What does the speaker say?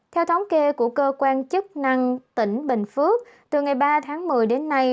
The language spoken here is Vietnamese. theo thống kê của cơ quan chức năng tỉnh bình phước từ ngày ba tháng một mươi đến nay